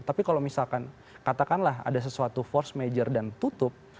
tapi kalau misalkan katakanlah ada sesuatu force major dan tutup